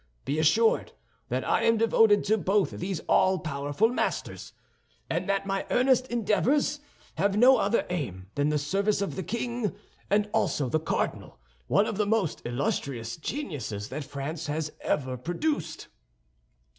Be assured that I am devoted to both these all powerful masters, and that my earnest endeavors have no other aim than the service of the king, and also the cardinal—one of the most illustrious geniuses that France has ever produced.